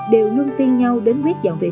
đều luôn tin nhau đến quyết dòng việc học tập này